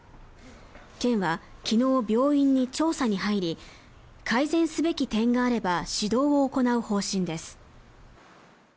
県は昨日、病院に調査に入り改善すべき点があれば指導を行う方針です。